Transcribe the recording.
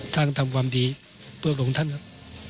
สร้างทำความดีเพื่อคุณคุณท่านครับ